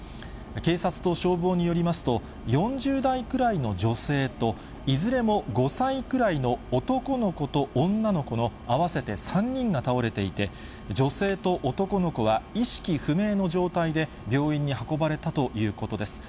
警察と消防によりますと、４０代くらいの女性と、いずれも５歳くらいの男の子と女の子の合わせて３人が倒れていて、女性と男の子は意識不明の状態で病院に運ばれたということです。